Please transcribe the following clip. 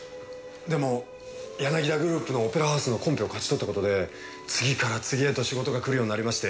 でもヤナギダグループのオペラハウスのコンペを勝ち取った事で次から次へと仕事がくるようになりまして